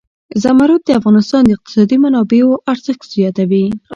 زمرد د افغانستان د اقتصادي منابعو ارزښت زیاتوي.